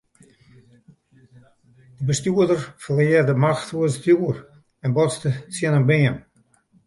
De bestjoerder ferlear de macht oer it stjoer en botste tsjin in beam.